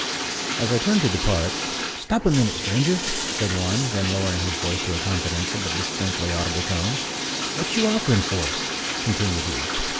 As I turned to depart, "Stop a minute, stranger!" said one: then lowering his voice to a confidential but distinctly audible tone, "What you offering for?" continued he.